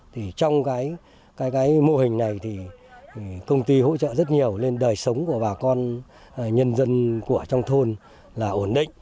thì trong cái mô hình này thì công ty hỗ trợ rất nhiều lên đời sống của bà con nhân dân của trong thôn là ổn định